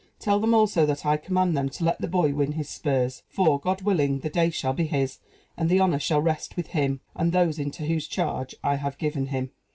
Tell them, also, that I command them to let the boy win his spurs; for, God willing, the day shall be his, and the honor shall rest with him, and those into whose charge I have given him."